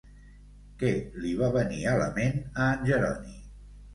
Què li va venir a la ment a en Jeroni?